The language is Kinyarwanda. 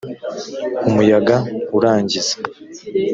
umuyaga urangiza.